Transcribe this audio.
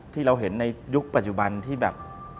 ที่เราเห็นในยุคปัจจุบันที่แบบ